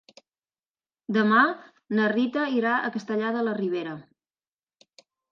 Demà na Rita irà a Castellar de la Ribera.